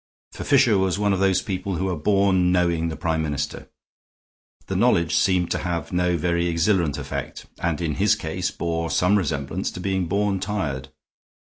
For Fisher was one of those people who are born knowing the Prime Minister. The knowledge seemed to have no very exhilarant effect, and in his case bore some resemblance to being born tired.